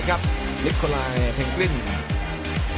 อันดับสุดท้ายของมันก็คือ